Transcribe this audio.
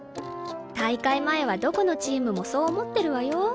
大会前はどこのチームもそう思ってるわよ。